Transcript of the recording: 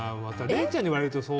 礼ちゃんに言われると。